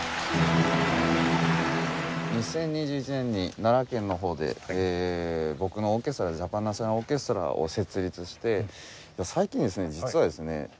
２０２１年に奈良県の方で僕のオーケストラジャパン・ナショナル・オーケストラを設立して最近実はですね